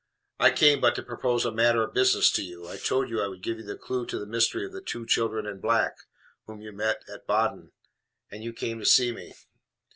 I came but to propose a matter of business to you. I told you I could give you the clew to the mystery of the Two Children in Black, whom you met at Baden, and you came to see me.